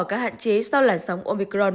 các hạn chế sau làn sóng omicron